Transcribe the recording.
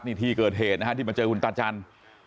นี่ที่เกิดเหตุนะฮะที่มาเจอคุณตาจันทร์